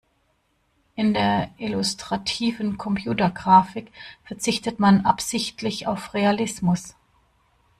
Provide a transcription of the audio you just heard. In der illustrativen Computergrafik verzichtet man absichtlich auf Realismus.